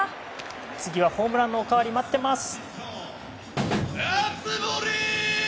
次はホームランのおかわり待ってます。